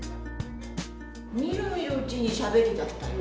みるみるうちにしゃべりだしたよね。